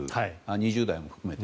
２０代も含めて。